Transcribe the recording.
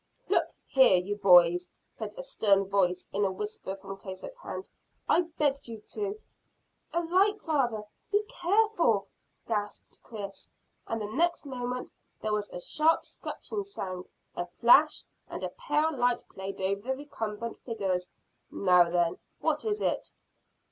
"Look here, you boys," said a stern voice, in a whisper from close at hand, "I begged you to " "A light, father! Be careful!" gasped Chris, and the next moment there was a sharp scratching sound, a flash, and a pale light played over the recumbent figures. "Now then, what is it?"